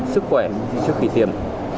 sức khỏe trước khi tiêm